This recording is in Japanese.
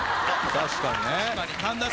確かにね。